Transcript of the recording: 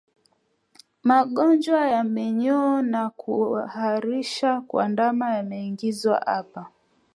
Magonjwa ya Minyoo na kuharisha kwa Ndama yameangaziwa hapa